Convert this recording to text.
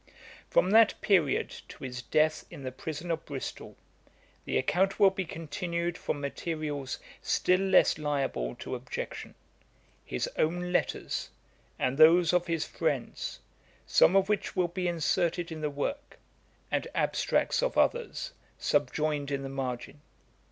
'From that period, to his death in the prison of Bristol, the account will be continued from materials still less liable to objection; his own letters, and those of his friends, some of which will be inserted in the work, and abstracts of others subjoined in the margin.